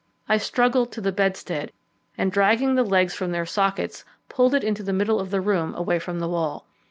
I struggled to the bedstead, and dragging the legs from their sockets, pulled it into the middle of the room away from the wall.